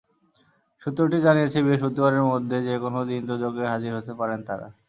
সূত্রটি জানিয়েছে, বৃহস্পতিবারের মধ্যে যেকোনো দিন দুদকে হাজির হতে পারেন তাঁরা।